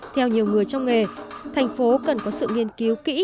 theo nhiều người trong nghề thành phố cần có sự nghiên cứu kỹ